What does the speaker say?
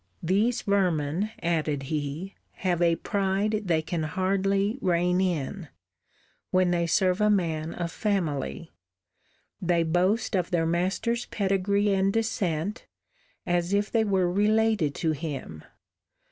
These vermin, added he, have a pride they can hardly rein in, when they serve a man of family. They boast of their master's pedigree and descent, as if they were related to him.